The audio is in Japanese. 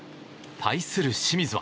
対する清水は。